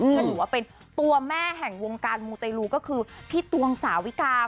ก็ถือว่าเป็นตัวแม่แห่งวงการมูเตลูก็คือพี่ตวงสาวิกา